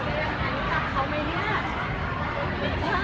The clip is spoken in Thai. หลักหรือเปล่า